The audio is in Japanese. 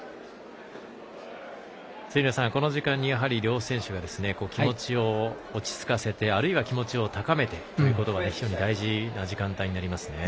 辻野さん、この時間にやはり両選手が気持ちを落ち着かせてあるいは気持ちを高めてというのが非常に大事な時間帯になりますね。